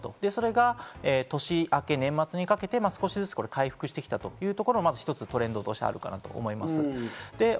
それが年明け、年末にかけて少しずつ回復してきたというところが、まず一つトレンドとしてあるかなと思います。